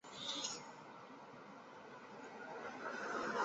为三立艺能旗下艺人。